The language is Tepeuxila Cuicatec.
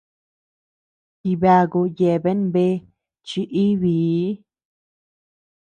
Jibaku yeabean bea chi-íbii.